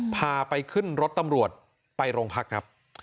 พาไปขึ้นรถตำรวจไปโรงพักครับ